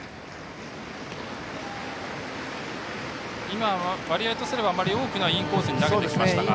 今、割合とすればあまり多くないインコースに投げてきましたが。